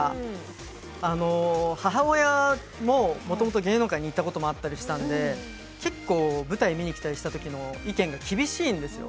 母親ももともと芸能界にいたことがあったりしたので結構、舞台を見に来たときの意見が厳しいんですよ。